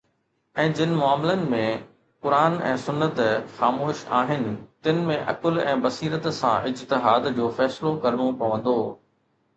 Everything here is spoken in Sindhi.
۽ جن معاملن ۾ قرآن ۽ سنت خاموش آهن، تن ۾ عقل ۽ بصيرت سان اجتهاد جو فيصلو ڪرڻو پوندو.